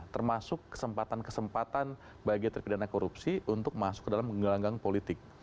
termasuk kesempatan kesempatan bagi terpidana korupsi untuk masuk ke dalam gelanggang politik